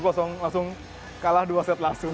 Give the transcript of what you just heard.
bahkan tadi setnya langsung kalah dua set langsung